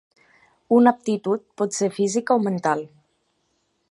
Una aptitud pot ser física o mental.